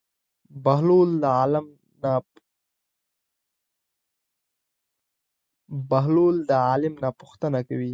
بهلول د عالم نه پوښتنه کوي.